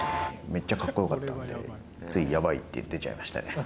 めっちゃかっこよかったんで、ついやばいって、出ちゃいましたね。